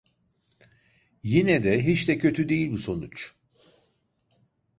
Yine de hiç de kötü değil bu sonuç.